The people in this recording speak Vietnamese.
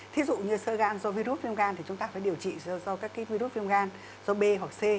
thí dụ như sơ gan do virus phim gan thì chúng ta phải điều trị do các virus phim gan do b hoặc c